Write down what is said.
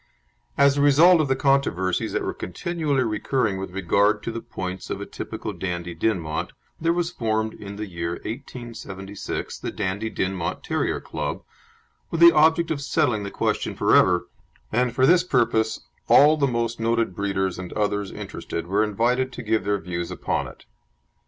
As a result of the controversies that were continually recurring with regard to the points of a typical Dandie Dinmont there was formed in the year 1876 the Dandie Dinmont Terrier Club, with the object of settling the question for ever, and for this purpose all the most noted breeders and others interested were invited to give their views upon it.